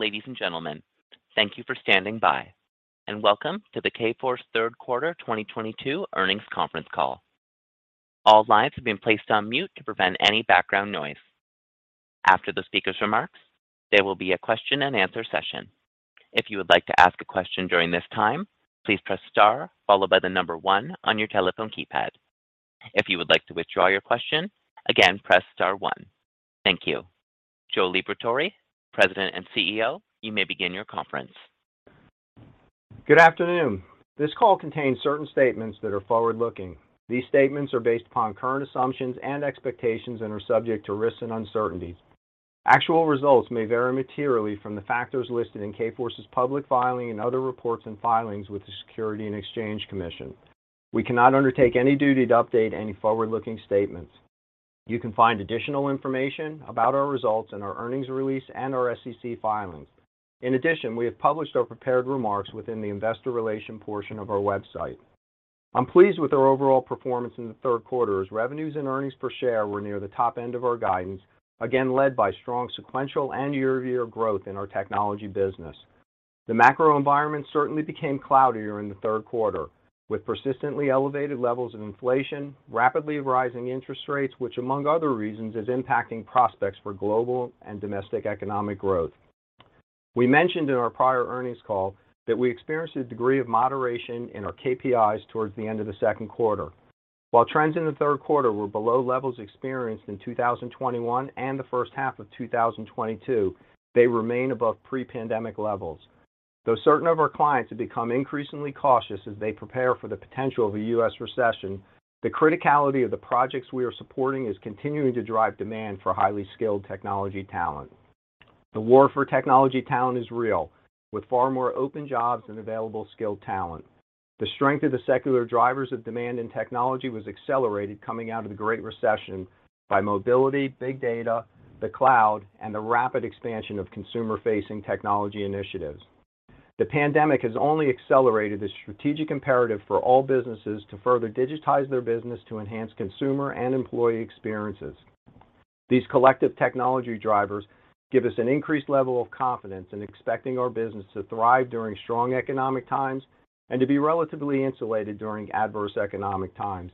Ladies and gentlemen, thank you for standing by and welcome to the Kforce Q3 2022 Earnings Conference Call. All lines have been placed on mute to prevent any background noise. After the speaker's remarks, there will be a question and answer session. If you would like to ask a question during this time, please press star followed by the number one on your telephone keypad. If you would like to withdraw your question, again, press star one. Thank you. Joe Liberatore, President and CEO, you may begin your conference. Good afternoon. This call contains certain statements that are forward-looking. These statements are based upon current assumptions and expectations and are subject to risks and uncertainties. Actual results may vary materially from the factors listed in Kforce's public filing and other reports and filings with the Securities and Exchange Commission. We cannot undertake any duty to update any forward-looking statements. You can find additional information about our results in our earnings release and our SEC filings. In addition, we have published our prepared remarks within the investor relations portion of our website. I'm pleased with our overall performance in the Q3, as revenues and earnings per share were near the top end of our guidance, again led by strong sequential and year-over-year growth in our technology business. The macro environment certainly became cloudier in the Q3, with persistently elevated levels of inflation, rapidly rising interest rates, which among other reasons, is impacting prospects for global and domestic economic growth. We mentioned in our prior earnings call that we experienced a degree of moderation in our KPIs towards the end of the Q2. While trends in the Q3 were below levels experienced in 2021 and the first half of 2022, they remain above pre-pandemic levels. Though certain of our clients have become increasingly cautious as they prepare for the potential of a U.S. recession, the criticality of the projects we are supporting is continuing to drive demand for highly skilled technology talent. The war for technology talent is real, with far more open jobs than available skilled talent. The strength of the secular drivers of demand in technology was accelerated coming out of the Great Recession by mobility, big data, the cloud, and the rapid expansion of consumer-facing technology initiatives. The pandemic has only accelerated the strategic imperative for all businesses to further digitize their business to enhance consumer and employee experiences. These collective technology drivers give us an increased level of confidence in expecting our business to thrive during strong economic times and to be relatively insulated during adverse economic times.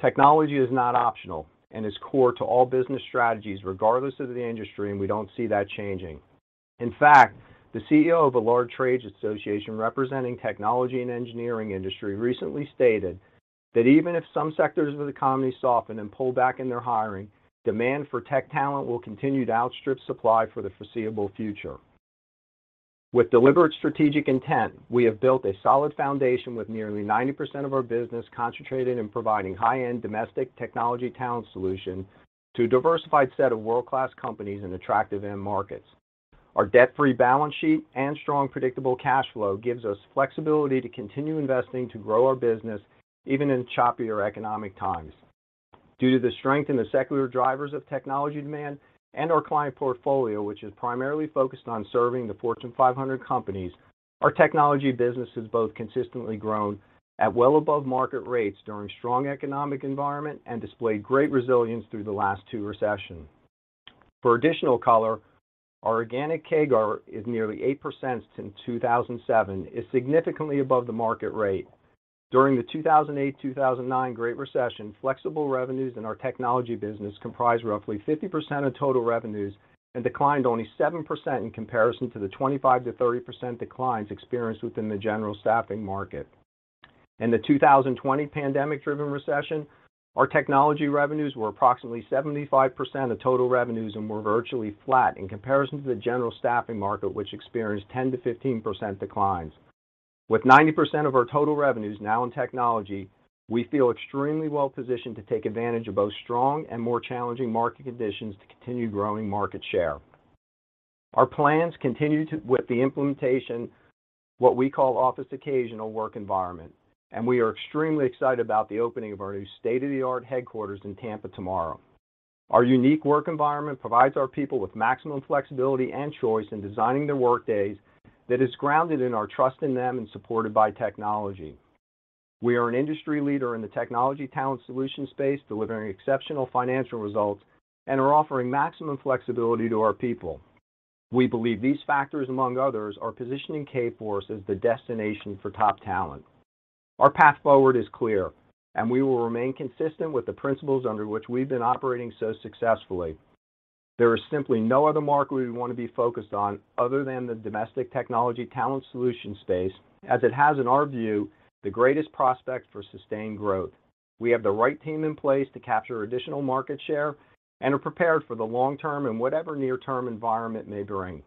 Technology is not optional and is core to all business strategies, regardless of the industry, and we don't see that changing. In fact, the CEO of a large trade association representing technology and engineering industry recently stated that even if some sectors of the economy soften and pull back in their hiring, demand for tech talent will continue to outstrip supply for the foreseeable future. With deliberate strategic intent, we have built a solid foundation with nearly 90% of our business concentrated in providing high-end domestic technology talent solutions to a diversified set of world-class companies in attractive end markets. Our debt-free balance sheet and strong, predictable cash flow gives us flexibility to continue investing to grow our business even in choppier economic times. Due to the strength in the secular drivers of technology demand and our client portfolio, which is primarily focused on serving the Fortune 500 companies, our technology business has both consistently grown at well above market rates during strong economic environment and displayed great resilience through the last two recessions. For additional color, our organic CAGR is nearly 8% since 2007, is significantly above the market rate. During the 2008 to 2009 Great Recession, flexible revenues in our technology business comprised roughly 50% of total revenues and declined only 7% in comparison to the 25%-30% declines experienced within the general staffing market. In the 2020 pandemic-driven recession, our technology revenues were approximately 75% of total revenues and were virtually flat in comparison to the general staffing market, which experienced 10% to 15% declines. With 90% of our total revenues now in technology, we feel extremely well positioned to take advantage of both strong and more challenging market conditions to continue growing market share. Our plans continue with the implementation of what we call office occasional work environment, and we are extremely excited about the opening of our new state-of-the-art headquarters in Tampa tomorrow. Our unique work environment provides our people with maximum flexibility and choice in designing their work days that is grounded in our trust in them and supported by technology. We are an industry leader in the technology talent solution space, delivering exceptional financial results and are offering maximum flexibility to our people. We believe these factors, among others, are positioning Kforce as the destination for top talent. Our path forward is clear, and we will remain consistent with the principles under which we've been operating so successfully. There is simply no other market we want to be focused on other than the domestic technology talent solution space, as it has, in our view, the greatest prospect for sustained growth. We have the right team in place to capture additional market share and are prepared for the long term and whatever near-term environment may bring.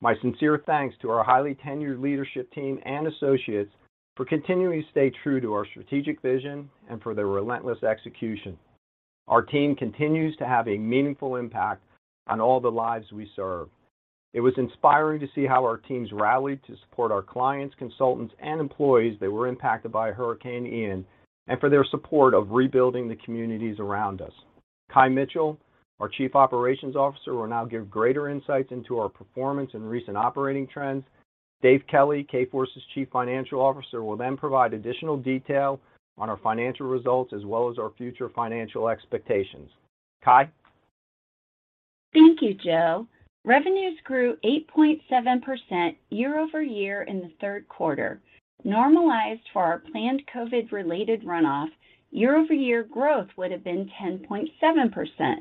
My sincere thanks to our highly tenured leadership team and associates for continuing to stay true to our strategic vision and for their relentless execution. Our team continues to have a meaningful impact on all the lives we serve. It was inspiring to see how our teams rallied to support our clients, consultants, and employees that were impacted by Hurricane Ian and for their support of rebuilding the communities around us. Kye Mitchell, our Chief Operations Officer, will now give greater insights into our performance and recent operating trends. David M. Kelly, Kforce's Chief Financial Officer, will then provide additional detail on our financial results as well as our future financial expectations. Thank you, Joe. Revenues grew 8.7% year-over-year in the Q3. Normalized for our planned COVID-related runoff, year-over-year growth would have been 10.7%.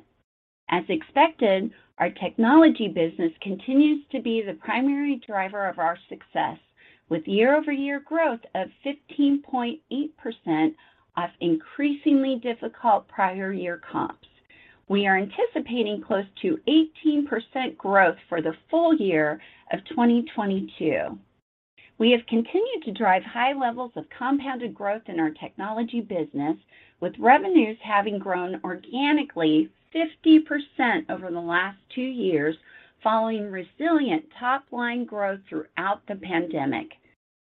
As expected, our technology business continues to be the primary driver of our success, with year-over-year growth of 15.8% off increasingly difficult prior year comps. We are anticipating close to 18% growth for the full year of 2022. We have continued to drive high levels of compounded growth in our technology business, with revenues having grown organically 50% over the last 2 years, following resilient top-line growth throughout the pandemic.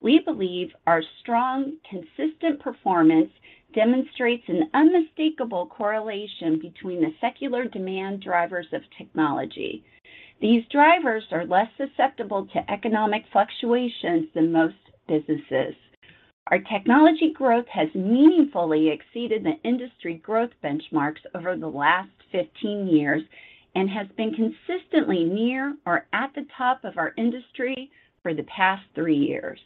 We believe our strong, consistent performance demonstrates an unmistakable correlation between the secular demand drivers of technology. These drivers are less susceptible to economic fluctuations than most businesses. Our technology growth has meaningfully exceeded the industry growth benchmarks over the last 15 years and has been consistently near or at the top of our industry for the past three years.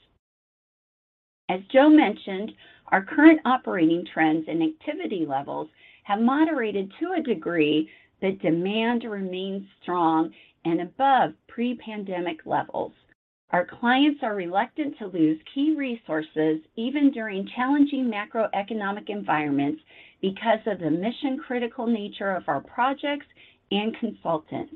As Joe mentioned, our current operating trends and activity levels have moderated to a degree that demand remains strong and above pre-pandemic levels. Our clients are reluctant to lose key resources even during challenging macroeconomic environments because of the mission-critical nature of our projects and consultants.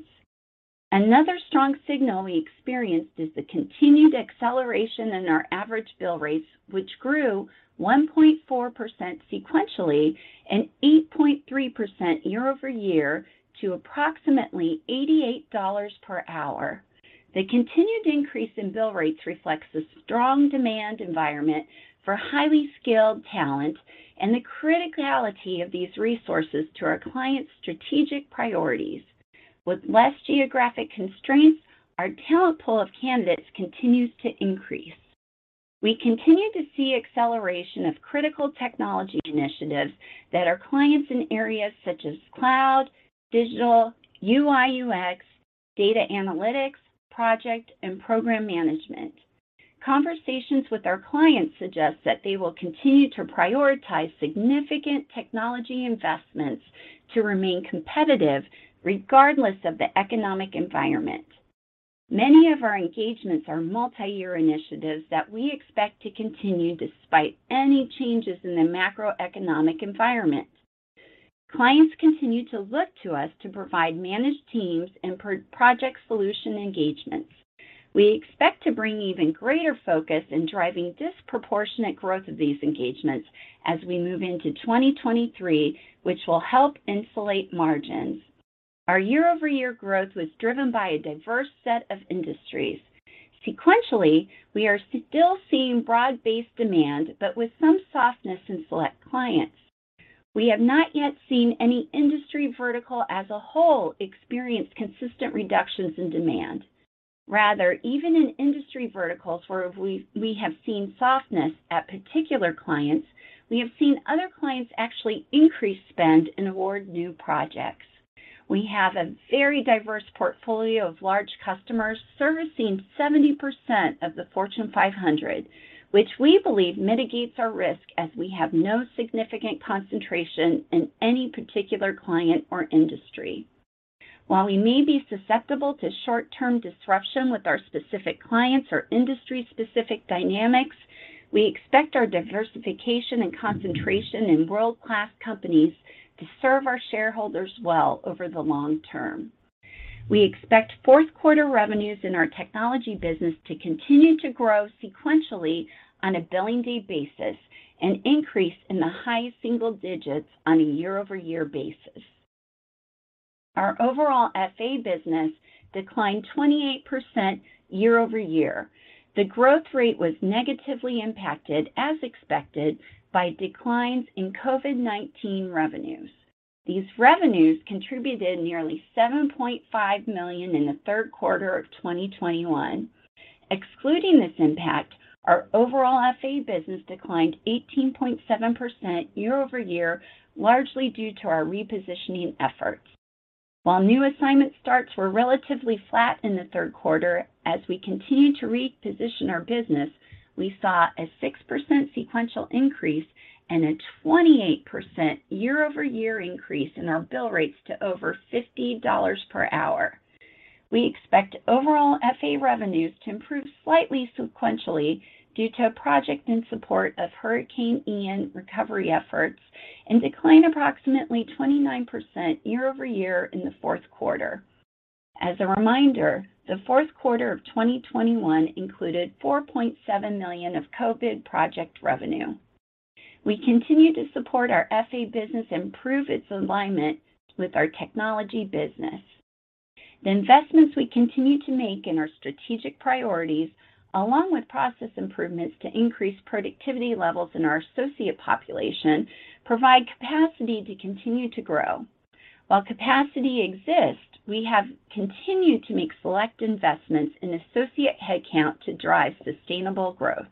Another strong signal we experienced is the continued acceleration in our average bill rates, which grew 1.4% sequentially and 8.3% year-over-year to approximately $88 per hour. The continued increase in bill rates reflects the strong demand environment for highly skilled talent and the criticality of these resources to our clients' strategic priorities. With less geographic constraints, our talent pool of candidates continues to increase. We continue to see acceleration of critical technology initiatives that our clients in areas such as cloud, digital, UI/UX, data analytics, project and program management. Conversations with our clients suggest that they will continue to prioritize significant technology investments to remain competitive regardless of the economic environment. Many of our engagements are multi-year initiatives that we expect to continue despite any changes in the macroeconomic environment. Clients continue to look to us to provide managed teams and pro-project solution engagements. We expect to bring even greater focus in driving disproportionate growth of these engagements as we move into 2023, which will help insulate margins. Our year-over-year growth was driven by a diverse set of industries. Sequentially, we are still seeing broad-based demand, but with some softness in select clients. We have not yet seen any industry vertical as a whole experience consistent reductions in demand. Rather, even in industry verticals where we have seen softness at particular clients, we have seen other clients actually increase spend and award new projects. We have a very diverse portfolio of large customers servicing 70% of the Fortune 500, which we believe mitigates our risk as we have no significant concentration in any particular client or industry. While we may be susceptible to short-term disruption with our specific clients or industry-specific dynamics, we expect our diversification and concentration in world-class companies to serve our shareholders well over the long term. We expect Q4 revenues in our technology business to continue to grow sequentially on a billing day basis and increase in the high single digits on a year-over-year basis. Our overall FA business declined 28% year-over-year. The growth rate was negatively impacted, as expected, by declines in COVID-19 revenues. These revenues contributed nearly $7.5 million in the Q3 of 2021. Excluding this impact, our overall FA business declined 18.7% year-over-year, largely due to our repositioning efforts. While new assignment starts were relatively flat in the Q3 as we continued to reposition our business, we saw a 6% sequential increase and a 28% year-over-year increase in our bill rates to over $50 per hour. We expect overall FA revenues to improve slightly sequentially due to a project in support of Hurricane Ian recovery efforts and decline approximately 29% year-over-year in the Q4. As a reminder, the Q4 of 2021 included $4.7 million of COVID project revenue. We continue to support our FA business improve its alignment with our technology business. The investments we continue to make in our strategic priorities, along with process improvements to increase productivity levels in our associate population, provide capacity to continue to grow. While capacity exists, we have continued to make select investments in associate headcount to drive sustainable growth.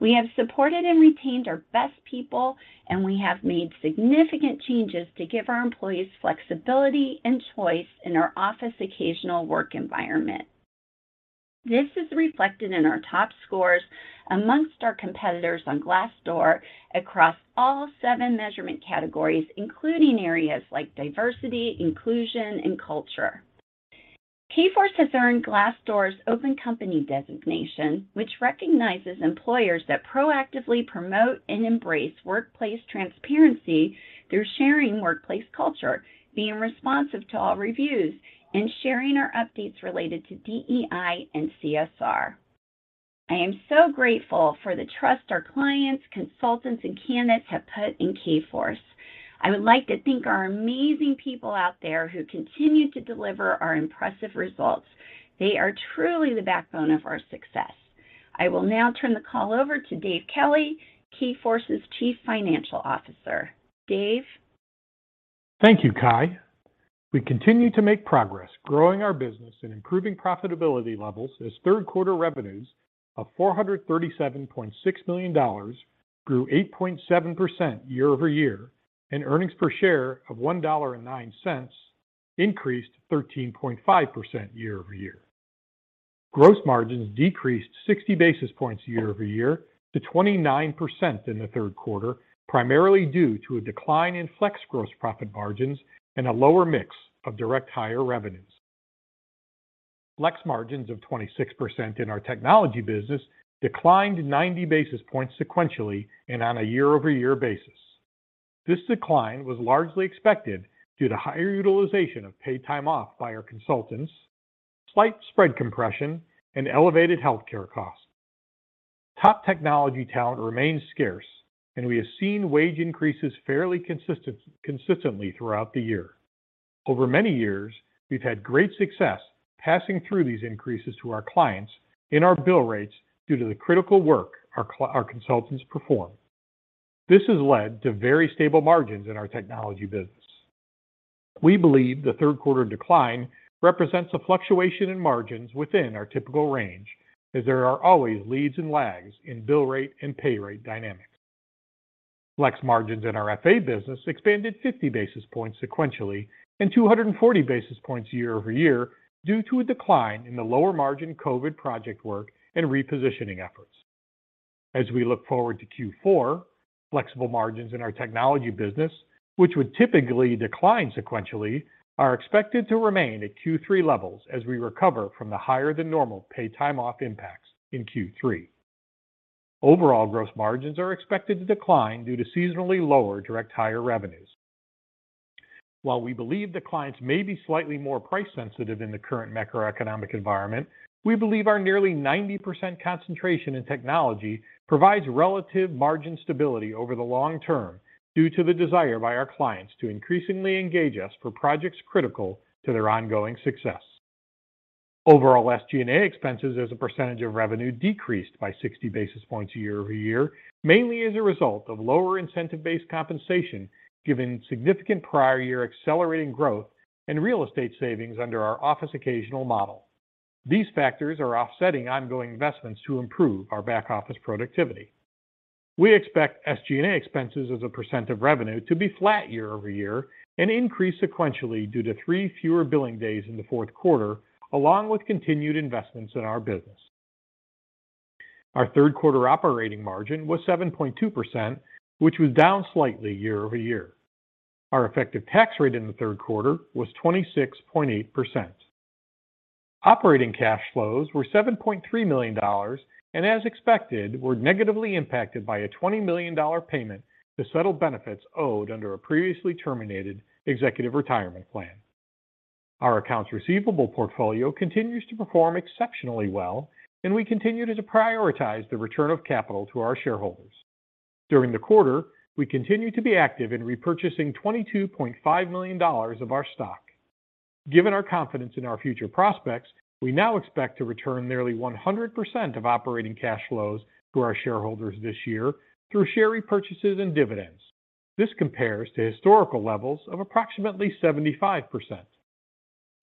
We have supported and retained our best people, and we have made significant changes to give our employees flexibility and choice in our office occasional work environment. This is reflected in our top scores among our competitors on Glassdoor across all seven measurement categories, including areas like diversity, inclusion, and culture. Kforce has earned Glassdoor's OpenCompany designation, which recognizes employers that proactively promote and embrace workplace transparency through sharing workplace culture, being responsive to all reviews, and sharing our updates related to DEI and CSR. I am so grateful for the trust our clients, consultants, and candidates have put in Kforce. I would like to thank our amazing people out there who continue to deliver our impressive results. They are truly the backbone of our success. I will now turn the call over to Dave Kelly, Kforce's Chief Financial Officer. Dave? Thank you, Kye. We continue to make progress growing our business and improving profitability levels as Q3 revenues of $437.6 million grew 8.7% year-over-year, and earnings per share of $1.09 increased 13.5% year-over-year. Gross margins decreased 60 basis points year-over-year to 29% in the Q3, primarily due to a decline in flex gross profit margins and a lower mix of direct hire revenues. Flex margins of 26% in our technology business declined 90 basis points sequentially and on a year-over-year basis. This decline was largely expected due to higher utilization of paid time off by our consultants, slight spread compression, and elevated healthcare costs. Top technology talent remains scarce, and we have seen wage increases fairly consistently throughout the year. Over many years, we've had great success passing through these increases to our clients in our bill rates due to the critical work our consultants perform. This has led to very stable margins in our technology business. We believe the Q3 decline represents a fluctuation in margins within our typical range, as there are always leads and lags in bill rate and pay rate dynamics. Flex margins in our FA business expanded 50 basis points sequentially and 240 basis points year-over-year due to a decline in the lower margin COVID project work and repositioning efforts. As we look forward to Q4, flexible margins in our technology business, which would typically decline sequentially, are expected to remain at Q3 levels as we recover from the higher than normal paid time off impacts in Q3. Overall gross margins are expected to decline due to seasonally lower direct hire revenues. While we believe the clients may be slightly more price sensitive in the current macroeconomic environment, we believe our nearly 90% concentration in technology provides relative margin stability over the long term due to the desire by our clients to increasingly engage us for projects critical to their ongoing success. Overall, SG&A expenses as a percentage of revenue decreased by 60 basis points year-over-year, mainly as a result of lower incentive-based compensation given significant prior year accelerating growth and real estate savings under our office occasional model. These factors are offsetting ongoing investments to improve our back office productivity. We expect SG&A expenses as a percent of revenue to be flat year-over-year and increase sequentially due to three fewer billing days in the Q4, along with continued investments in our business. Our Q3 operating margin was 7.2%, which was down slightly year-over-year. Our effective tax rate in the Q3 was 26.8%. Operating cash flows were $7.3 million, and as expected, were negatively impacted by a $20 million payment to settle benefits owed under a previously terminated executive retirement plan. Our accounts receivable portfolio continues to perform exceptionally well, and we continue to prioritize the return of capital to our shareholders. During the quarter, we continued to be active in repurchasing $22.5 million of our stock. Given our confidence in our future prospects, we now expect to return nearly 100% of operating cash flows to our shareholders this year through share repurchases and dividends. This compares to historical levels of approximately 75%.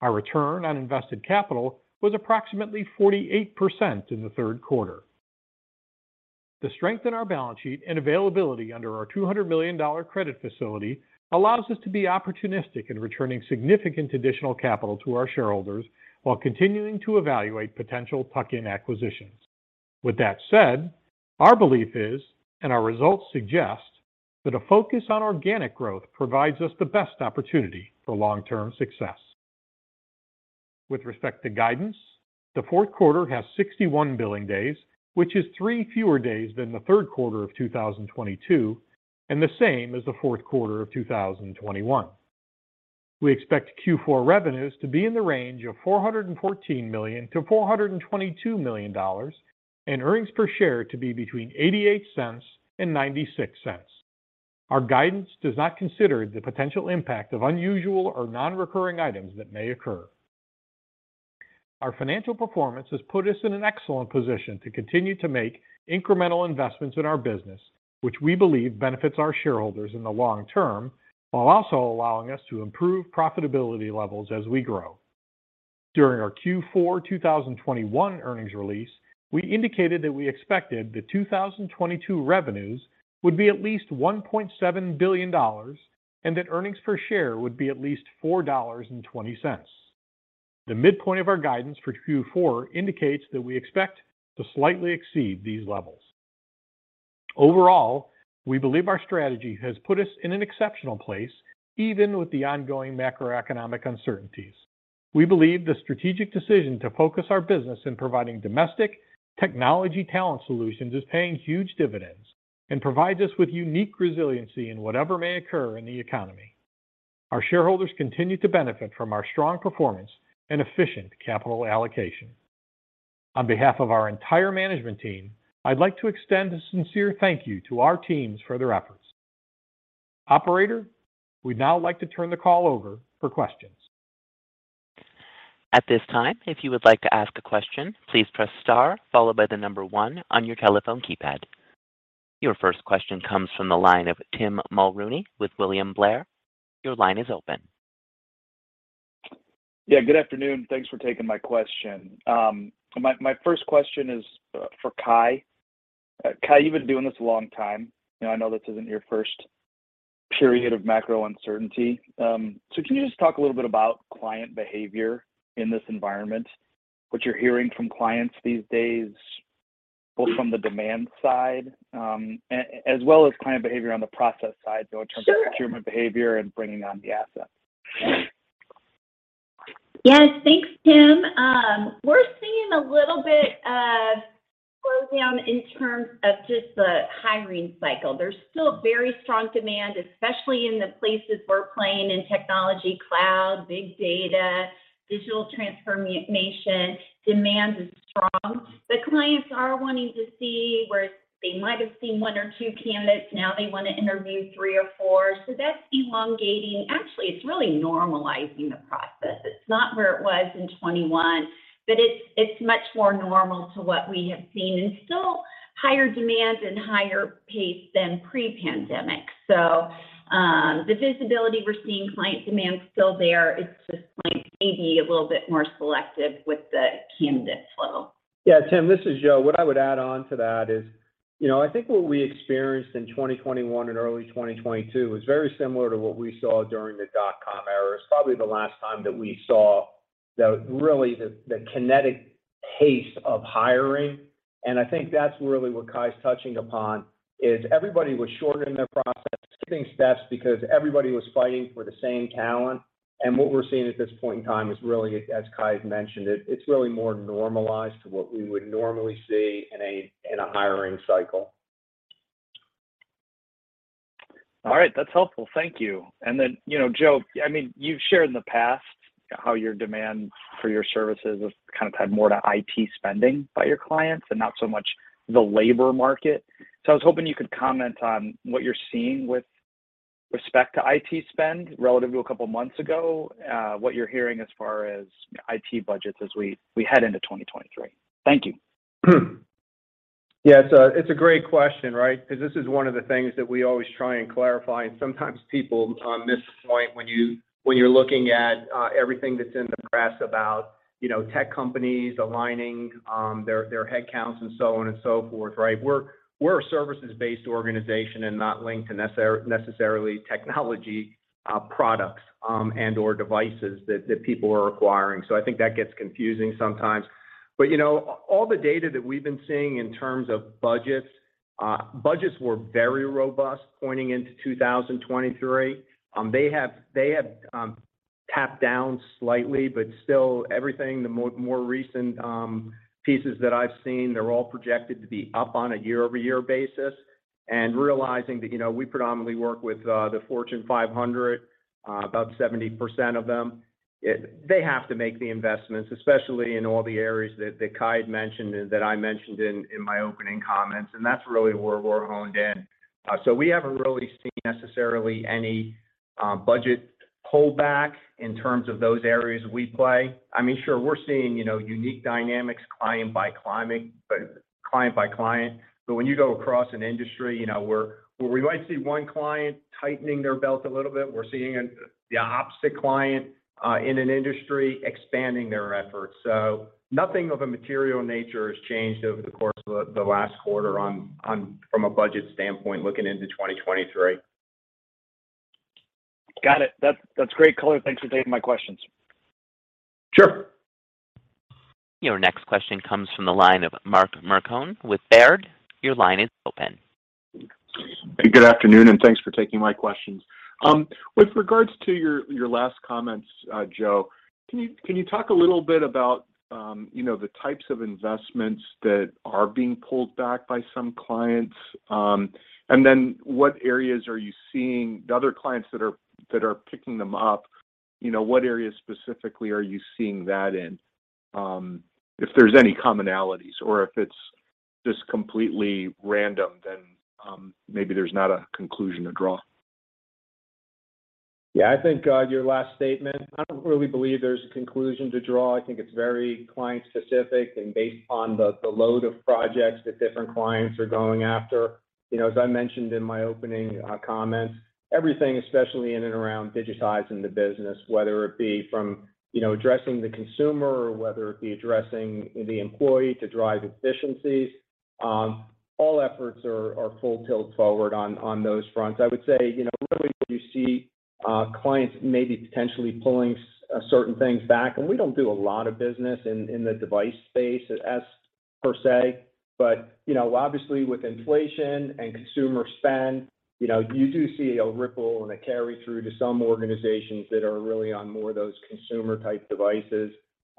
Our return on invested capital was approximately 48% in the Q3. The strength in our balance sheet and availability under our $200 million credit facility allows us to be opportunistic in returning significant additional capital to our shareholders while continuing to evaluate potential tuck-in acquisitions. With that said, our belief is, and our results suggest, that a focus on organic growth provides us the best opportunity for long-term success. With respect to guidance, the Q4 has 61 billing days, which is 3 fewer days than the Q3 of 2022, and the same as the Q4 of 2021. We expect Q4 revenues to be in the range of $414 to 422 million and earnings per share to be between $0.88 and $0.96. Our guidance does not consider the potential impact of unusual or non-recurring items that may occur. Our financial performance has put us in an excellent position to continue to make incremental investments in our business, which we believe benefits our shareholders in the long term, while also allowing us to improve profitability levels as we grow. During our Q4 2021 earnings release, we indicated that we expected the 2022 revenues would be at least $1.7 billion and that earnings per share would be at least $4.20. The midpoint of our guidance for Q4 indicates that we expect to slightly exceed these levels. Overall, we believe our strategy has put us in an exceptional place even with the ongoing macroeconomic uncertainties. We believe the strategic decision to focus our business in providing domestic technology talent solutions is paying huge dividends and provides us with unique resiliency in whatever may occur in the economy. Our shareholders continue to benefit from our strong performance and efficient capital allocation. On behalf of our entire management team, I'd like to extend a sincere thank you to our teams for their efforts. Operator, we'd now like to turn the call over for questions. At this time, if you would like to ask a question, please press star followed by the number one on your telephone keypad. Your first question comes from the line of Tim Mulrooney with William Blair. Your line is open. Yeah, good afternoon. Thanks for taking my question. My first question is for Kye. Kye, you've been doing this a long time, and I know this isn't your first period of macro uncertainty. Can you just talk a little bit about client behavior in this environment, what you're hearing from clients these days, both from the demand side, as well as client behavior on the process side, though, in terms of procurement behavior and bringing on the assets? Yes, thanks, Tim. We're seeing a little bit of slowdown in terms of just the hiring cycle. There's still very strong demand, especially in the places we're playing in technology, cloud, big data, digital transformation. Demand is strong. The clients are wanting to see where they might have seen one or two candidates. Now they want to interview three or four. That's elongating. Actually, it's really normalizing the process. It's not where it was in 2021, but it's much more normal to what we have seen, and still higher demand and higher pace than pre-pandemic. The visibility we're seeing, client demand is still there. It's just clients may be a little bit more selective with the candidate flow. Yeah, Tim, this is Joe. What I would add on to that is I think what we experienced in 2021 and early 2022 was very similar to what we saw during the dot-com era. It's probably the last time that we saw really the kinetic pace of hiring. I think that's really what Kye's touching upon is everybody was shortening their process, skipping steps because everybody was fighting for the same talent. What we're seeing at this point in time is really, as Kye's mentioned, it's really more normalized to what we would normally see in a hiring cycle. All right. That's helpful. Thank you. then Joe, I mean, you've shared in the past how your demand for your services has kind of tied more to IT spending by your clients and not so much the labor market. I was hoping you could comment on what you're seeing with respect to IT spend relative to a couple of months ago, what you're hearing as far as IT budgets as we head into 2023. Thank you. Yeah. It's a great question, right? Because this is one of the things that we always try and clarify, and sometimes people miss this point when you're looking at everything that's in the press about tech companies aligning their headcounts and so on and so forth, right? We're a services-based organization and not linked to necessarily technology products and/or devices that people are acquiring. I think that gets confusing sometimes. All the data that we've been seeing in terms of budgets were very robust pointing into 2023. They have tamped down slightly, but still everything, the more recent pieces that I've seen, they're all projected to be up on a year-over-year basis. Realizing that we predominantly work with the Fortune 500, about 70% of them, they have to make the investments, especially in all the areas that Kye had mentioned and that I mentioned in my opening comments. That's really where we're honed in. We haven't really seen necessarily any budget pullback in terms of those areas we play. I mean, sure, we're seeing unique dynamics client by client. When you go across an industry where we might see one client tightening their belt a little bit, we're seeing the opposite client in an industry expanding their efforts. Nothing of a material nature has changed over the course of the last quarter from a budget standpoint looking into 2023. Got it. That's great color. Thanks for taking my questions. Sure. Your next question comes from the line of Mark Marcon with Baird. Your line is open. Good afternoon, and thanks for taking my questions. With regards to your last comments, Joe, can you talk a little bit about the types of investments that are being pulled back by some clients? Then what areas are you seeing the other clients that are picking them up what areas specifically are you seeing that in? If there's any commonalities or if it's just completely random, then maybe there's not a conclusion to draw. Yeah, I think, your last statement, I don't really believe there's a conclusion to draw. I think it's very client-specific and based on the load of projects that different clients are going after. As I mentioned in my opening comments, everything, especially in and around digitizing the business, whether it be from addressing the consumer or whether it be addressing the employee to drive efficiencies. All efforts are full tilt forward on those fronts. I would say really what you see, clients maybe potentially pulling certain things back, and we don't do a lot of business in the device space per se. but obviously with inflation and consumer spend you do see a ripple and a carry-through to some organizations that are really on more of those consumer-type devices.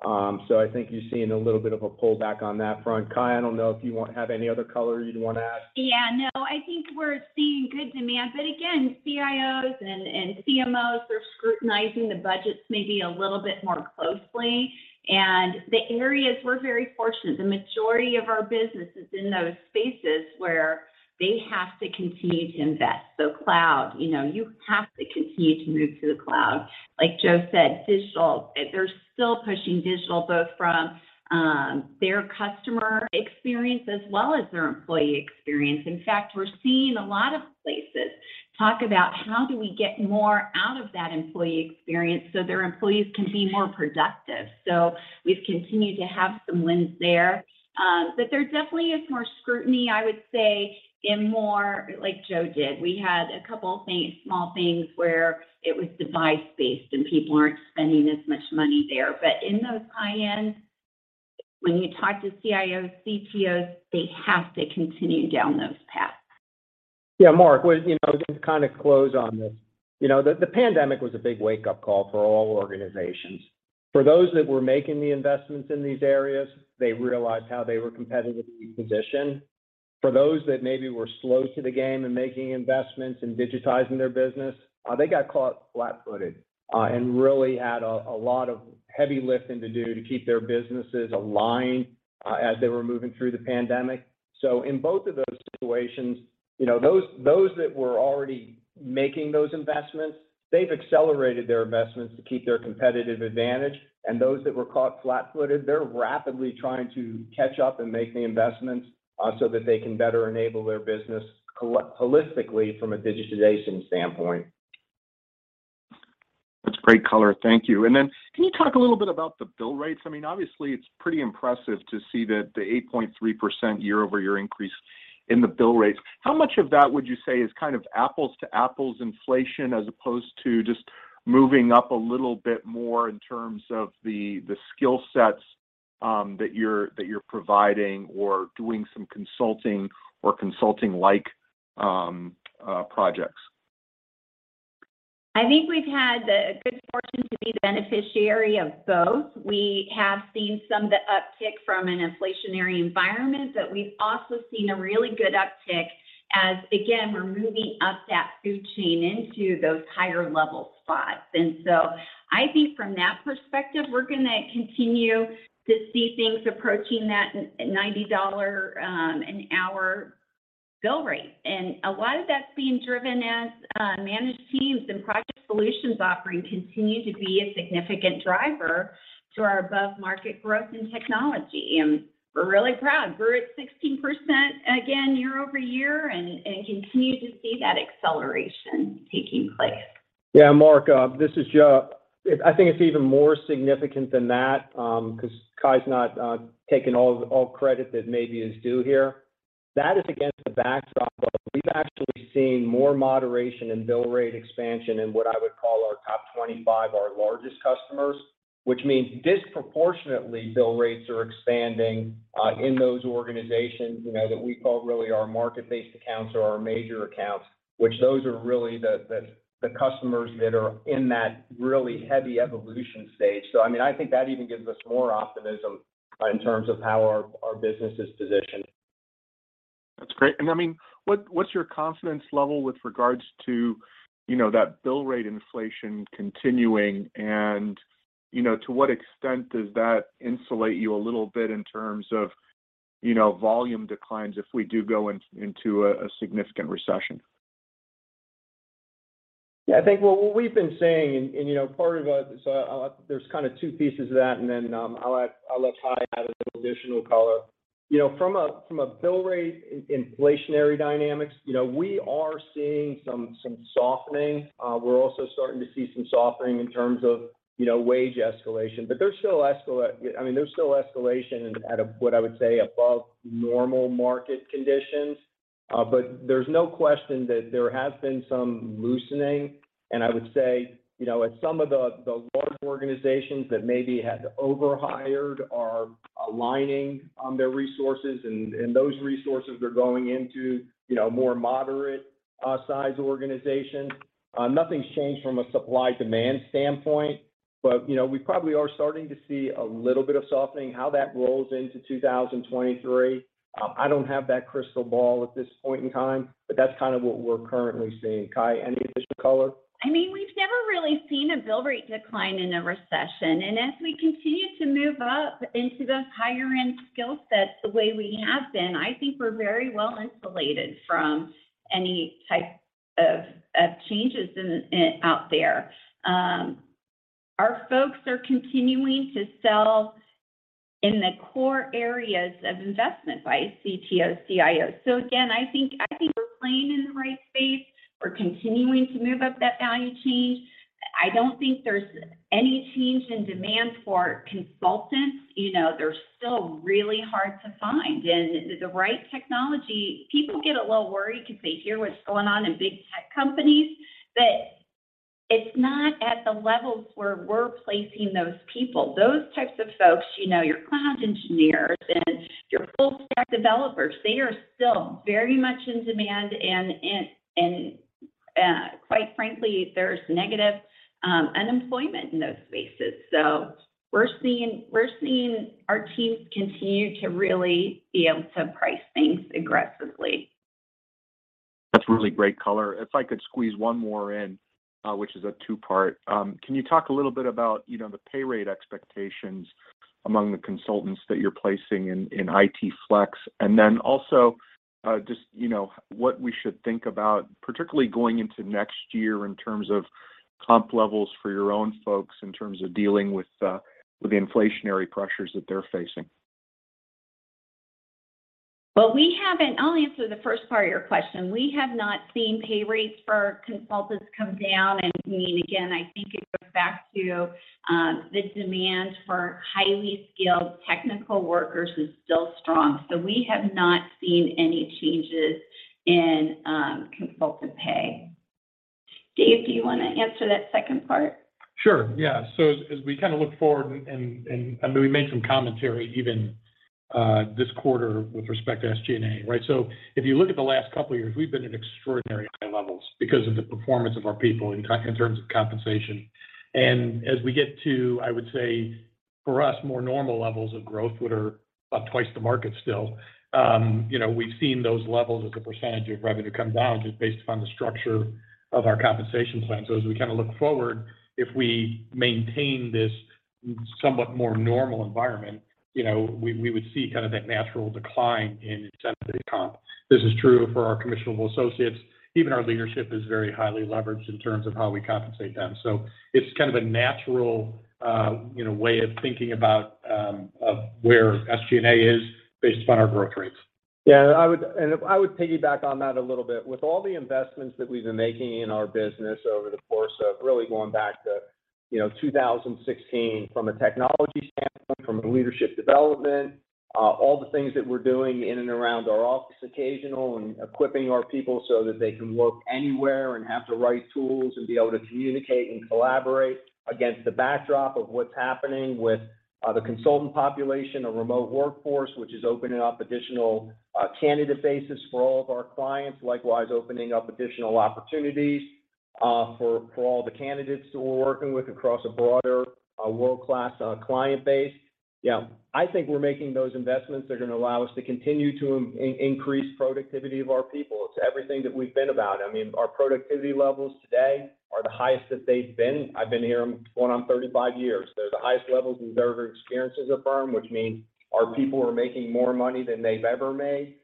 I think you're seeing a little bit of a pullback on that front. Kye, I don't know if you want to have any other color you'd want to add? Yeah, no, I think we're seeing good demand. Again, CIOs and CMOs are scrutinizing the budgets maybe a little bit more closely. The areas we're very fortunate, the majority of our business is in those spaces where they have to continue to invest. cloud you have to continue to move to the cloud. Like Joe said, digital. They're still pushing digital, both from their customer experience as well as their employee experience. In fact, we're seeing a lot of places talk about how do we get more out of that employee experience so their employees can be more productive. We've continued to have some wins there. There definitely is more scrutiny, I would say, in more, like Joe did. We had a couple of things, small things where it was device-based and people aren't spending as much money there. In those high-end, when you talk to CIOs, CTOs, they have to continue down those paths. Yeah, Mark, well just to kind of close on this. The pandemic was a big wake-up call for all organizations. For those that were making the investments in these areas, they realized how they were competitively positioned. For those that maybe were slow to the game in making investments and digitizing their business, they got caught flat-footed and really had a lot of heavy lifting to do to keep their businesses aligned as they were moving through the pandemic. In both of those situations those that were already making those investments, they've accelerated their investments to keep their competitive advantage. Those that were caught flat-footed, they're rapidly trying to catch up and make the investments so that they can better enable their business holistically from a digitization standpoint. That's great color. Thank you. Can you talk a little bit about the bill rates? I mean, obviously it's pretty impressive to see the 8.3% year-over-year increase in the bill rates. How much of that would you say is kind of apples-to-apples inflation as opposed to just moving up a little bit more in terms of the skill sets that you're providing or doing some consulting or consulting-like projects? I think we've had the good fortune to be the beneficiary of both. We have seen some of the uptick from an inflationary environment, but we've also seen a really good uptick as again, we're moving up that food chain into those higher level spots. I think from that perspective, we're going to continue to see things approaching that $90 an hour bill rate. A lot of that's being driven as managed teams and project solutions offering continue to be a significant driver to our above-market growth in technology. We're really proud. We're at 16% again year-over-year and continue to see that acceleration taking place. Yeah, Mark, this is Joe. I think it's even more significant than that, because Kye's not taking all credit that maybe is due here. That is against the backdrop of we've actually seen more moderation in bill rate expansion in what I would call our top 25, our largest customers, which means disproportionately bill rates are expanding in those organizations that we call really our market-based accounts or our major accounts, which those are really the customers that are in that really heavy evolution stage. I mean, I think that even gives us more optimism in terms of how our business is positioned. That's great. I mean, what's your confidence level with regards to that bill rate inflation continuing and to what extent does that insulate you a little bit in terms of volume declines if we do go into a significant recession? Yeah, I think what we've been saying. Part of it, so there's kind of two pieces of that, and then I'll let kye add a little additional color. From a bill rate inflationary dynamics we are seeing some softening. We're also starting to see some softening in terms of wage escalation. There's still, I mean, there's still escalation at a what I would say above normal market conditions. There's no question that there has been some loosening. I would say at some of the large organizations that maybe had overhired are aligning on their resources, and those resources are going into more moderate size organizations. Nothing's changed from a supply-demand standpoint. we probably are starting to see a little bit of softening. How that rolls into 2023, I don't have that crystal ball at this point in time, but that's kind of what we're currently seeing. Kye, any additional color? I mean, we've never really seen a bill rate decline in a recession. As we continue to move up into those higher-end skill sets the way we have been, I think we're very well insulated from any type of changes out there. Our folks are continuing to sell in the core areas of investment by CTOs, CIOs. So again, I think we're playing in the right space. We're continuing to move up that value chain. I don't think there's any change in demand for consultants. They're still really hard to find. The right technology, people get a little worried because they hear what's going on in big tech companies, but it's not at the levels where we're placing those people. Those types of folks your cloud engineers and your full-stack developers, they are still very much in demand. Quite frankly, there's negative unemployment in those spaces. We're seeing our teams continue to really be able to price things aggressively. That's really great color. If I could squeeze one more in, which is a two-part. Can you talk a little bit about the pay rate expectations among the consultants that you're placing in IT Flex? And then also, just what we should think about, particularly going into next year in terms of comp levels for your own folks, in terms of dealing with the inflationary pressures that they're facing. I'll answer the first part of your question. We have not seen pay rates for consultants come down. I mean, again, I think it goes back to the demand for highly skilled technical workers is still strong. We have not seen any changes in consultant pay. Dave, do you want to answer that second part? Sure, yeah. As we kind of look forward, I mean, we made some commentary even this quarter with respect to SG&A, right? If you look at the last couple of years, we've been at extraordinary high levels because of the performance of our people in terms of compensation. As we get to, I would say, for us, more normal levels of growth, what are about twice the market still we've seen those levels as a percentage of revenue come down just based upon the structure of our compensation plan. As we kind of look forward, if we maintain this somewhat more normal environment we would see kind of that natural decline in incentive comp. This is true for our commissionable associates. Even our leadership is very highly leveraged in terms of how we compensate them. It's kind of a natural way of thinking about where SG&A is based upon our growth rates. I would piggyback on that a little bit. With all the investments that we've been making in our business over the course of really going back to 2016 from a technology standpoint, from a leadership development, all the things that we're doing in and around our office occasional and equipping our people so that they can work anywhere and have the right tools and be able to communicate and collaborate against the backdrop of what's happening with the consultant population, a remote workforce, which is opening up additional candidate bases for all of our clients. Likewise, opening up additional opportunities for all the candidates who we're working with across a broader world-class client base. Yeah, I think we're making those investments that are going to allow us to continue to increase productivity of our people. It's everything that we've been about. I mean, our productivity levels today are the highest that they've been. I've been here going on 35 years. They're the highest levels we've ever experienced as a firm, which means our people are making more money than they've ever made.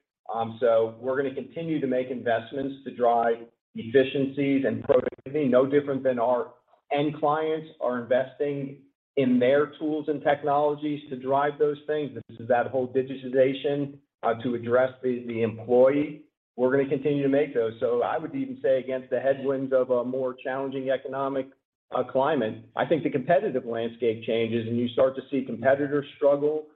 We're going to continue to make investments to drive efficiencies and productivity, no different than our end clients are investing in their tools and technologies to drive those things. This is that whole digitization to address the employee. We're going to continue to make those. I would even say against the headwinds of a more challenging economic climate, I think the competitive landscape changes, and you start to see competitors struggle,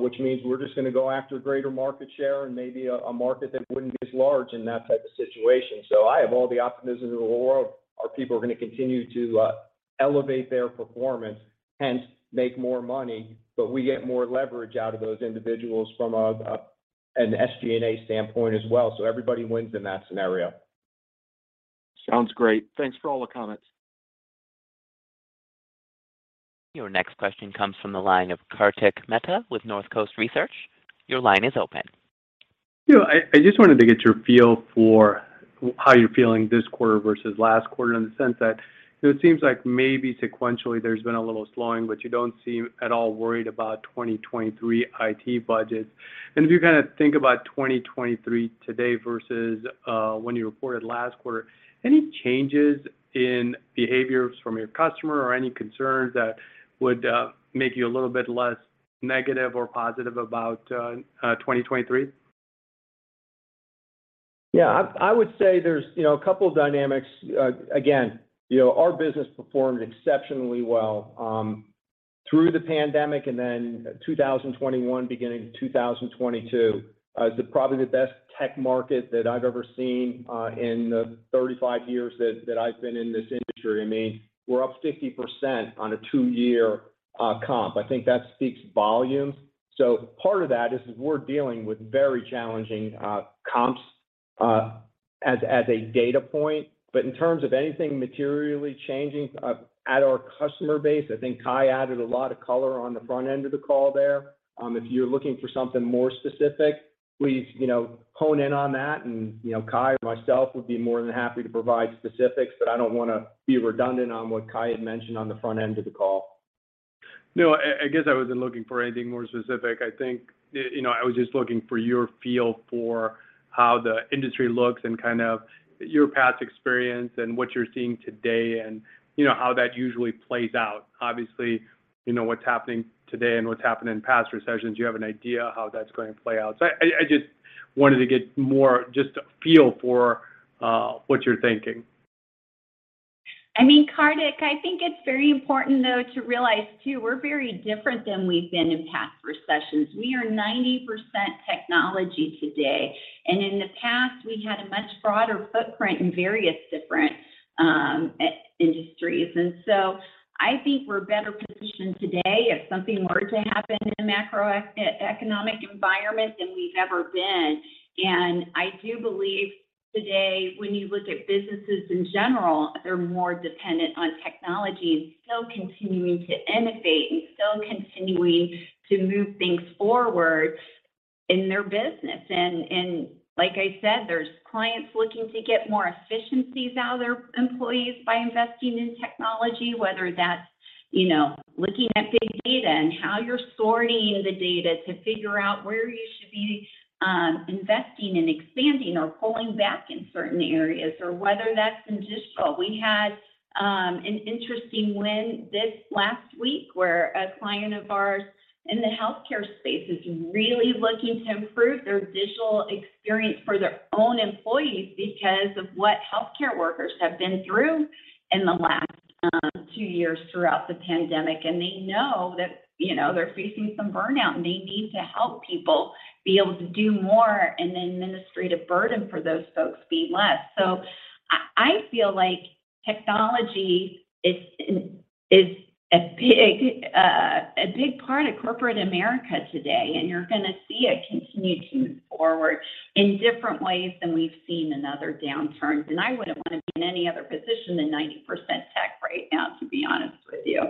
which means we're just going to go after greater market share and maybe a market that wouldn't be as large in that type of situation. I have all the optimism in the world our people are going to continue to elevate their performance, hence make more money. We get more leverage out of those individuals from an SG&A standpoint as well. Everybody wins in that scenario. Sounds great. Thanks for all the comments. Your next question comes from the line of Kartik Mehta with NorthCoast Research. Your line is open. I just wanted to get your feel for how you're feeling this quarter versus last quarter in the sense that it seems like maybe sequentially there's been a little slowing, but you don't seem at all worried about 2023 IT budgets. If you kind of think about 2023 today versus when you reported last quarter, any changes in behaviors from your customer or any concerns that would make you a little bit less negative or positive about 2023? Yeah. I would say there's a couple of dynamics. again our business performed exceptionally well through the pandemic and then 2021, beginning 2022. It's probably the best tech market that I've ever seen in the 35 years that I've been in this industry. I mean, we're up 50% on a two-year comp. I think that speaks volumes. Part of that is we're dealing with very challenging comps as a data point. In terms of anything materially changing at our customer base, I think Kye added a lot of color on the front end of the call there. If you're looking for something more specific, please hone in on that and Kye or myself would be more than happy to provide specifics, but I don't want to be redundant on what Kye had mentioned on the front end of the call. No, I guess I wasn't looking for anything more specific. I think I was just looking for your feel for how the industry looks and kind of your past experience and what you're seeing today and how that usually plays out. obviously what's happening today and what's happened in past recessions, you have an idea how that's going to play out. I just Wanted to get more just a feel for what you're thinking. I mean, Kartik, I think it's very important though to realize too, we're very different than we've been in past recessions. We are 90% technology today, and in the past we had a much broader footprint in various different industries. I think we're better positioned today if something were to happen in the macroeconomic environment than we've ever been. I do believe today when you look at businesses in general, they're more dependent on technology and still continuing to innovate and still continuing to move things forward in their business. Like I said, there's clients looking to get more efficiencies out of their employees by investing in technology, whether that's looking at big data and how you're sorting the data to figure out where you should be investing and expanding or pulling back in certain areas, or whether that's in digital. We had an interesting win this last week where a client of ours in the healthcare space is really looking to improve their digital experience for their own employees because of what healthcare workers have been through in the last two years throughout the pandemic. They know that they're facing some burnout, and they need to help people be able to do more, and the administrative burden for those folks be less. I feel like technology is a big part of corporate America today, and you're going to see it continue to move forward in different ways than we've seen in other downturns, and I wouldn't want to be in any other position than 90% tech right now, to be honest with you.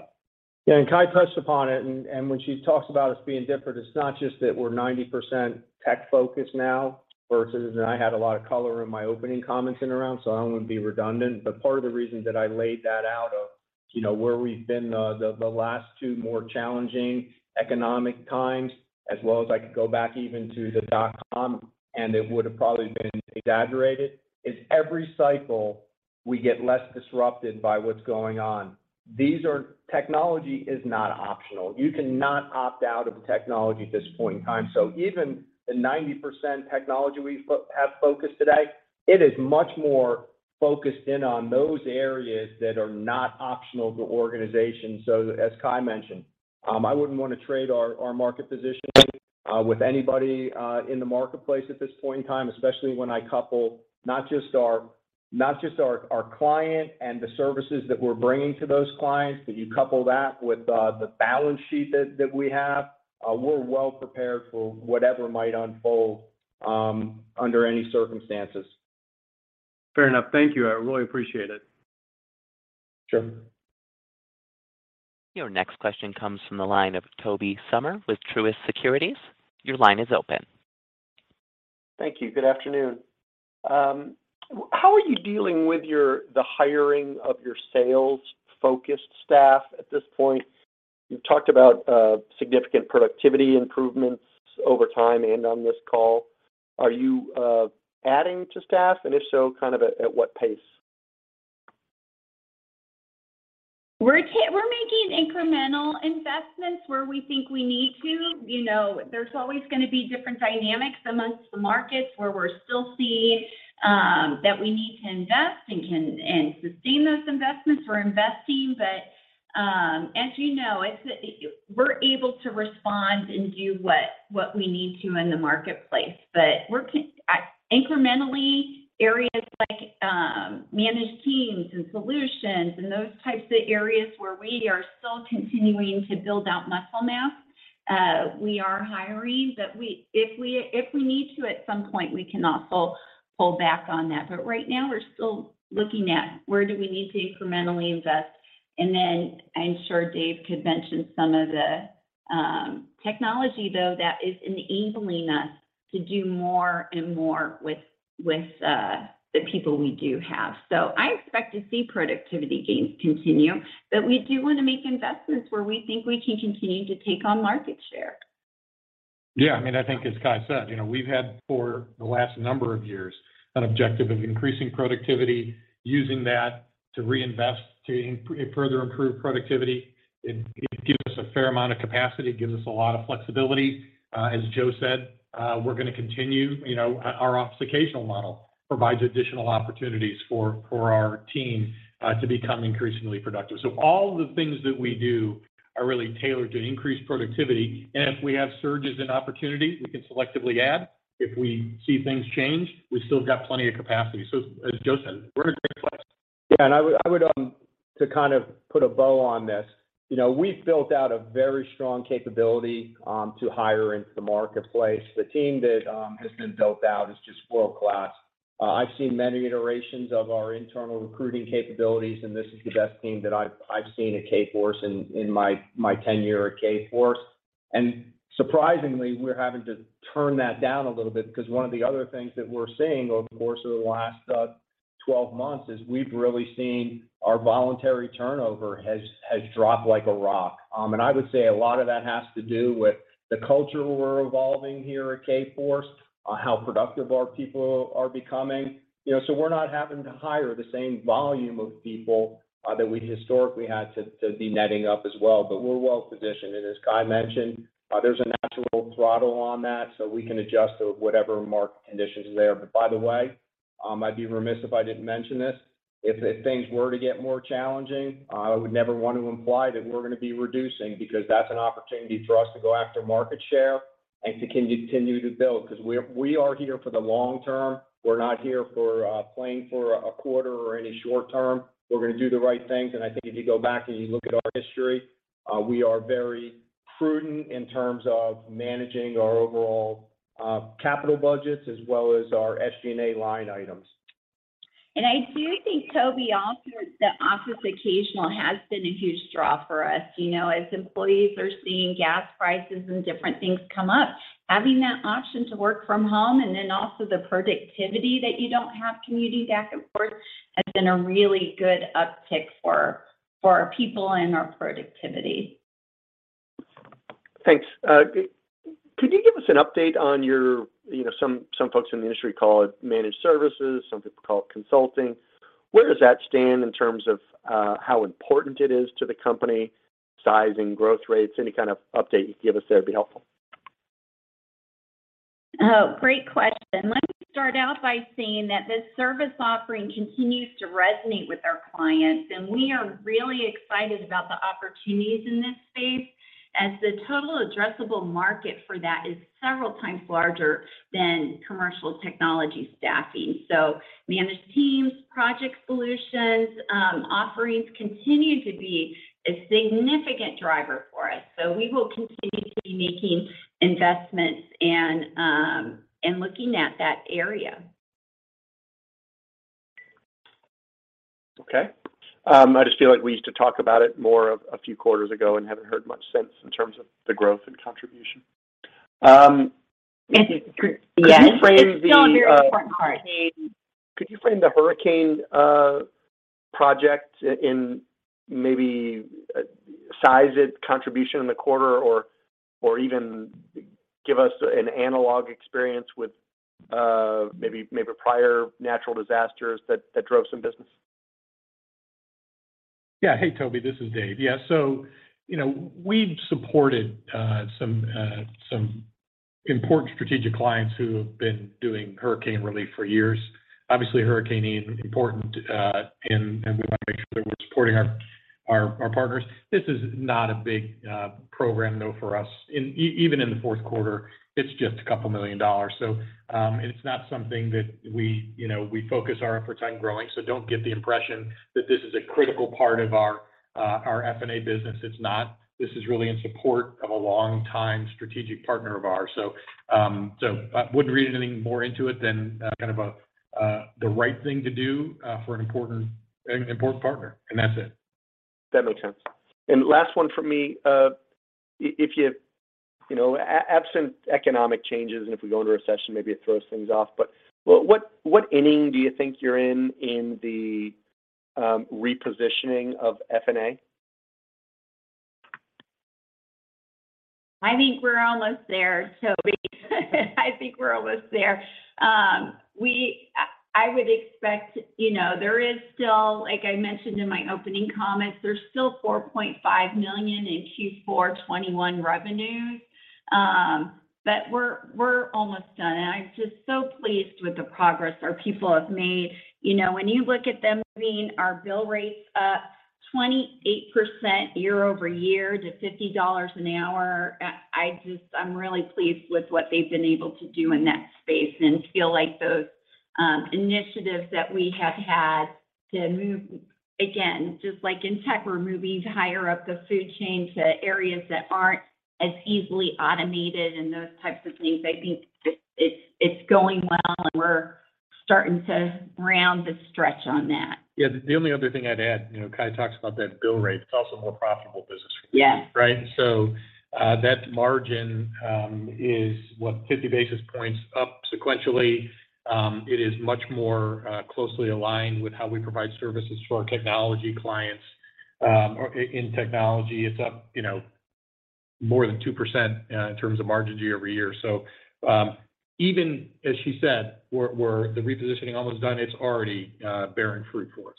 Yeah, Kye touched upon it, and when she talks about us being different, it's not just that we're 90% tech-focused now versus. I had a lot of color in my opening comments in and around, so I wouldn't be redundant. Part of the reason that I laid that out where we've been, the last two more challenging economic times as well as I could go back even to the dot-com, and it would've probably been exaggerated, is every cycle we get less disrupted by what's going on. Technology is not optional. You cannot opt out of technology at this point in time. Even the 90% technology we have focused today, it is much more focused in on those areas that are not optional to organizations. As kye mentioned, I wouldn't want to trade our market positioning with anybody in the marketplace at this point in time, especially when I couple not just our client and the services that we're bringing to those clients, but you couple that with the balance sheet that we have. We're well prepared for whatever might unfold under any circumstances. Fair enough. Thank you. I really appreciate it. Sure. Your next question comes from the line of Tobey Sommer with Truist Securities. Your line is open. Thank you. Good afternoon. How are you dealing with the hiring of your sales-focused staff at this point? You've talked about significant productivity improvements over time and on this call. Are you adding to staff, and if so, kind of at what pace? We're making incremental investments where we think we need to. There's always going to be different dynamics among the markets where we're still seeing that we need to invest and can and sustain those investments. We're investing, but as we're able to respond and do what we need to in the marketplace. Incrementally areas like managed teams and solutions and those types of areas where we are still continuing to build out muscle mass, we are hiring. If we need to at some point, we can also pull back on that. Right now we're still looking at where do we need to incrementally invest, and then I'm sure Dave could mention some of the technology though that is enabling us to do more and more with the people we do have. I expect to see productivity gains continue, but we do want to make investments where we think we can continue to take on market share. Yeah. I mean, I think as Kye said we've had for the last number of years an objective of increasing productivity, using that to reinvest to further improve productivity. It gives us a fair amount of capacity. It gives us a lot of flexibility. As Joe said, we're going to continue, you know. Our office occasional model provides additional opportunities for our team to become increasingly productive. All the things that we do are really tailored to increase productivity, and if we have surges in opportunity, we can selectively add. If we see things change, we've still got plenty of capacity. As Joe said, we're in a great place. Yeah, and I would to kind of put a bow on this we've built out a very strong capability to hire into the marketplace. The team that has been built out is just world-class. I've seen many iterations of our internal recruiting capabilities, and this is the best team that I've seen at Kforce in my tenure at Kforce. Surprisingly, we're having to turn that down a little bit because one of the other things that we're seeing over the course of the last 12 months is we've really seen our voluntary turnover has dropped like a rock. I would say a lot of that has to do with the culture we're evolving here at Kforce, how productive our people are becoming. We're not having to hire the same volume of people that we historically had to to be netting up as well. We're well positioned, and as Kye mentioned, there's a natural throttle on that, so we can adjust to whatever market conditions are there. By the way, I'd be remiss if I didn't mention this. If things were to get more challenging, I would never want to imply that we're going to be reducing because that's an opportunity for us to go after market share and to continue to build, 'cause we are here for the long term. We're not here for playing for a quarter or any short term. We're going to do the right things, and I think if you go back and you look at our history, we are very prudent in terms of managing our overall capital budgets as well as our SG&A line items. I do think, Tobey, also that office occasional has been a huge draw for us. As employees are seeing gas prices and different things come up, having that option to work from home and then also the productivity that you don't have commuting back and forth has been a really good uptick for our people and our productivity. Thanks. Could you give us an update on your some folks in the industry call it managed services, some people call it consulting. Where does that stand in terms of how important it is to the company, size and growth rates? Any kind of update you can give us there would be helpful. Oh, great question. Let me start out by saying that this service offering continues to resonate with our clients, and we are really excited about the opportunities in this space as the total addressable market for that is several times larger than commercial technology staffing. Managed teams, project solutions, offerings continue to be a significant driver for us. We will continue to be making investments and looking at that area. Okay. I just feel like we used to talk about it more a few quarters ago and haven't heard much since in terms of the growth and contribution. Um- Yes. Could you frame the? It's still a very important part. Could you frame the Hurricane Ian, maybe size its contribution in the quarter, or even give us an analogous experience with maybe prior natural disasters that drove some business? Yeah. Hey, Tobey, this is Dave. Yeah, so we've supported some important strategic clients who have been doing hurricane relief for years. Obviously, Hurricane Ian, important, and we want to make sure that we're supporting our partners. This is not a big program though for us. Even in the Q4, it's just $2 million. It's not something that we we focus our efforts on growing. Don't get the impression that this is a critical part of our FA business. It's not. This is really in support of a long-time strategic partner of ours. I wouldn't read anything more into it than kind of the right thing to do for an important partner, and that's it. That makes sense. Last one from me. If absent economic changes and if we go into a recession, maybe it throws things off, but what inning do you think you're in in the repositioning of FA? I think we're almost there, Tobey. I think we're almost there. I would expect there is still, like I mentioned in my opening comments, there's still $4.5 million in Q4 2021 revenues, but we're almost done. I'm just so pleased with the progress our people have made. When you look at them moving our bill rates up 28% year-over-year to $50 an hour, I just, I'm really pleased with what they've been able to do in that space and feel like those initiatives that we have had to move, again, just like in tech, we're moving higher up the food chain to areas that aren't as easily automated and those types of things. I think it's going well, and we're starting to round the stretch on that. Yeah. The only other thing I'd add Kye talks about that bill rate, it's also more profitable business for us. Yeah. Right? That margin is what? 50 basis points up sequentially. It is much more closely aligned with how we provide services for our technology clients, or in technology. It's up more than 2% in terms of margin year-over-year. Even as she said, the repositioning almost done, it's already bearing fruit for us.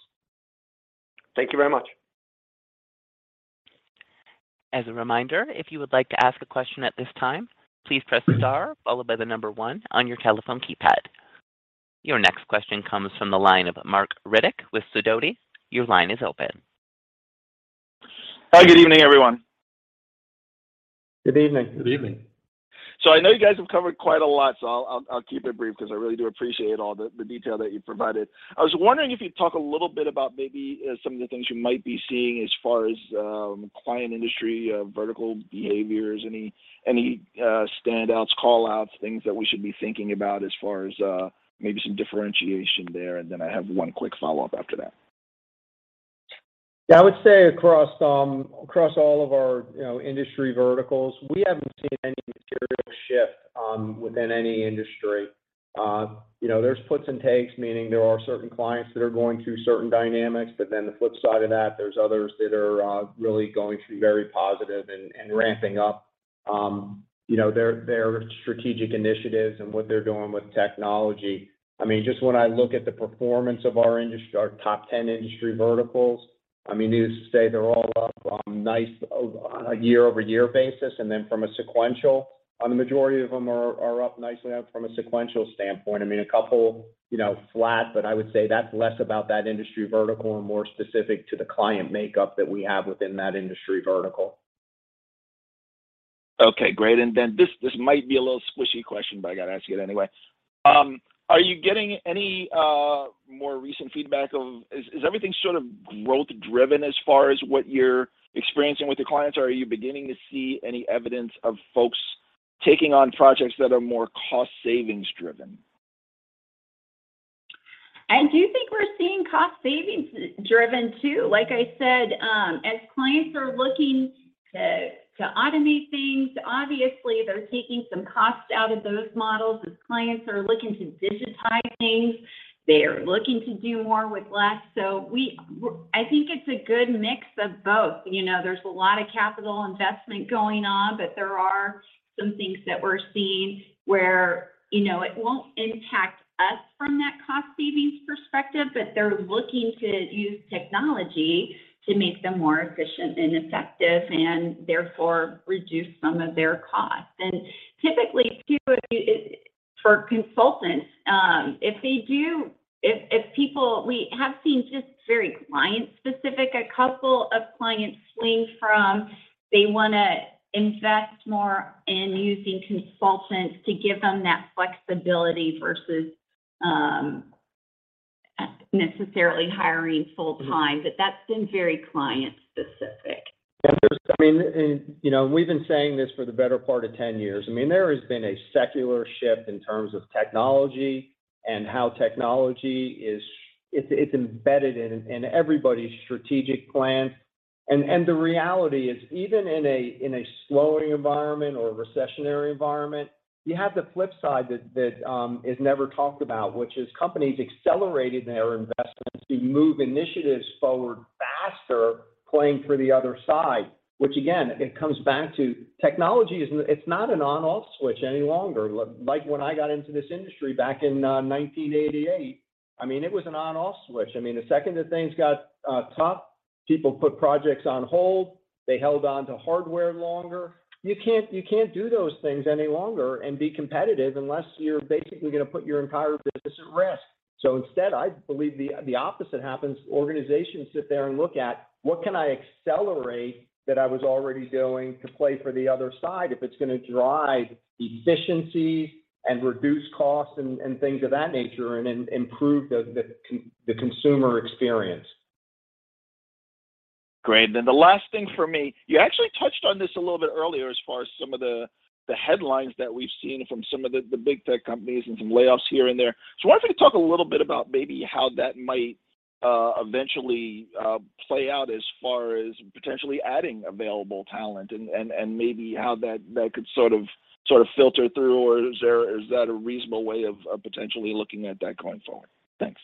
Thank you very much. As a reminder, if you would like to ask a question at this time, please press star followed by the number one on your telephone keypad. Your next question comes from the line of Marc Riddick with Sidoti & Company. Your line is open. Hi, good evening, everyone. Good evening. Good evening. I know you guys have covered quite a lot, so I'll keep it brief 'cause I really do appreciate all the detail that you've provided. I was wondering if you'd talk a little bit about maybe some of the things you might be seeing as far as client industry vertical behaviors. Any standouts, call outs, things that we should be thinking about as far as maybe some differentiation there? Then I have one quick follow-up after that. Yeah, I would say across all of our industry verticals, we haven't seen any material shift within any industry. There's puts and takes, meaning there are certain clients that are going through certain dynamics, but then the flip side of that, there's others that are really going through very positive and ramping up their strategic initiatives and what they're doing with technology. I mean, just when I look at the performance of our industry, our top ten industry verticals. I mean, needless to say, they're all up nicely on a year-over-year basis. From a sequential standpoint, the majority of them are up nicely. I mean, a couple flat, but I would say that's less about that industry vertical and more specific to the client makeup that we have within that industry vertical. Okay, great. This might be a little squishy question, but I got to ask it anyway. Are you getting any more recent feedback of Is everything sort of growth driven as far as what you're experiencing with your clients, or are you beginning to see any evidence of folks taking on projects that are more cost savings driven? I do think we're seeing cost savings driven too. Like I said, as clients are looking to automate things, obviously, they're taking some cost out of those models. As clients are looking to digitize things, they are looking to do more with less. So I think it's a good mix of both. There's a lot of capital investment going on, but there are some things that we're seeing where it won't impact us from that cost savings perspective, but they're looking to use technology to make them more efficient and effective and therefore reduce some of their costs. Typically, too, for consultants, we have seen just very client-specific, a couple of clients swing from they want to invest more in using consultants to give them that flexibility versus necessarily hiring full time. That's been very client-specific. Yeah. I mean we've been saying this for the better part of ten years. I mean, there has been a secular shift in terms of technology and how technology is. It's embedded in everybody's strategic plan. The reality is even in a slowing environment or a recessionary environment, you have the flip side that is never talked about, which is companies accelerated their investments to move initiatives forward faster, playing for the other side, which again, it comes back to technology. It's not an on/off switch any longer. Like when I got into this industry back in 1988, I mean, it was an on/off switch. I mean, the second that things got tough, people put projects on hold. They held on to hardware longer. You can't do those things any longer and be competitive unless you're basically going to put your entire business at risk. Instead, I believe the opposite happens. Organizations sit there and look at what can I accelerate that I was already doing to play for the other side if it's going to drive efficiency and reduce costs and things of that nature and improve the consumer experience. Great. The last thing for me, you actually touched on this a little bit earlier as far as some of the headlines that we've seen from some of the big tech companies and some layoffs here and there. I want you to talk a little bit about maybe how that might eventually play out as far as potentially adding available talent and maybe how that could sort of filter through, or is that a reasonable way of potentially looking at that going forward? Thanks.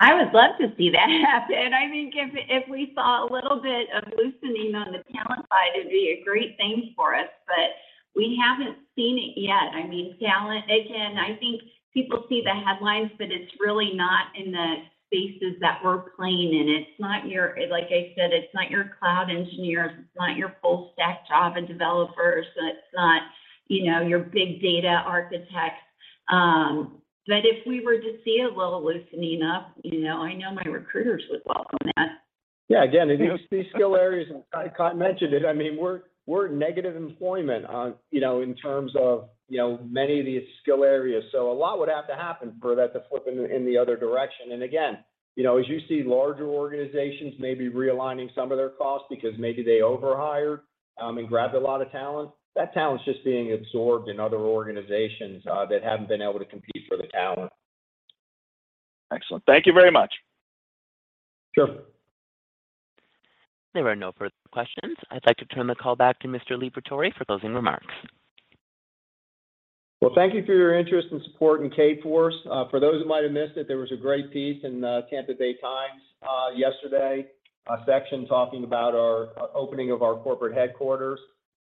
I would love to see that happen. I think if we saw a little bit of loosening on the talent side, it'd be a great thing for us, but we haven't seen it yet. I mean, talent, again, I think people see the headlines, but it's really not in the spaces that we're playing in. It's not your, like I said, it's not your cloud engineers, it's not your full stack Java developers, it's not your big data architects. If we were to see a little loosening up I know my recruiters would welcome that. Yeah. Again, these skill areas, and Scott mentioned it. I mean, we're negative employment on in terms of many of these skill areas. So a lot would have to happen for that to flip in the other direction. again as you see larger organizations maybe realigning some of their costs because maybe they overhired and grabbed a lot of talent, that talent is just being absorbed in other organizations that haven't been able to compete for the talent. Excellent. Thank you very much. Sure. There are no further questions. I'd like to turn the call back to Mr. Liberatore for closing remarks. Well, thank you for your interest and support in Kforce. For those who might have missed it, there was a great piece in the Tampa Bay Times yesterday, a section talking about our opening of our corporate headquarters.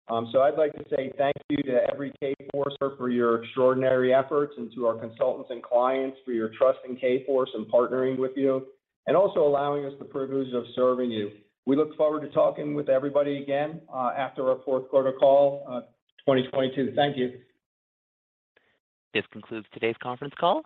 I'd like to say thank you to every Kforcer for your extraordinary efforts and to our consultants and clients for your trust in Kforce and partnering with you, and also allowing us the privilege of serving you. We look forward to talking with everybody again after our Q4 call, 2022. Thank you. This concludes today's conference call.